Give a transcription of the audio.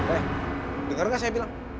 eh denger gak saya bilang